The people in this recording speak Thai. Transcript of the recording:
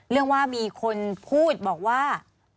เรื่องว่ามีคนพูดบอกว่า